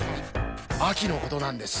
あきのことなんです。